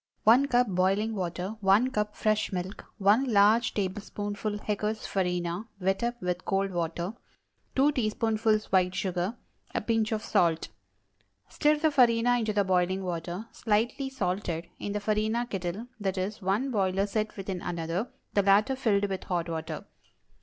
✠ 1 cup boiling water. 1 cup fresh milk. 1 large tablespoonful Hecker's Farina, wet up with cold water. 2 teaspoonfuls white sugar. A pinch of salt. Stir the farina into the boiling water (slightly salted) in the farina kettle (i. e., one boiler set within another, the latter filled with hot water).